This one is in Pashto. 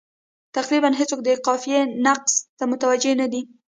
تقریبا هېڅوک د قافیې نقص ته متوجه نه دي.